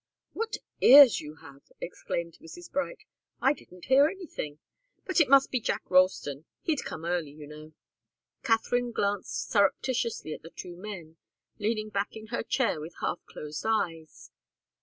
"What ears you have!" exclaimed Mrs. Bright. "I didn't hear anything. But it must be Jack Ralston. He'd come early, you know." Katharine glanced surreptitiously at the two men, leaning back in her chair with half closed eyes.